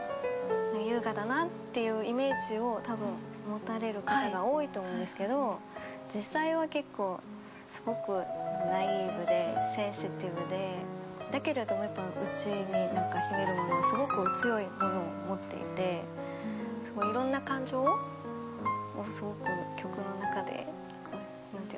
優雅だなっていうイメージをたぶん持たれる方が多いと思うんですけど実際は結構すごくナイーブでセンシティブでだけれどもやっぱ内に秘めるものをすごく強いものを持っていていろんな感情をすごく曲の中でなんていうの？